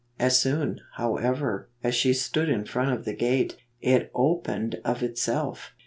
As soon, however, as she stood in front of the gate, it opened cf itself.